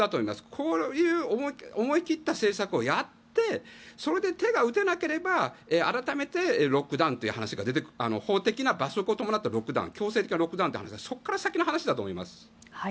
こういう思い切った政策をやってそれで手が打てなければ改めてロックダウンという話が法的な罰則を伴ったロックダウン強制的なロックダウンという話はそこから先の話だと思います。